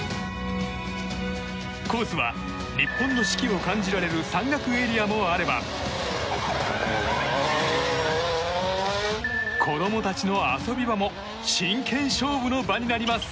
コースは日本の四季を感じられる山岳エリアもあれば子供たちの遊び場も真剣勝負の場になります。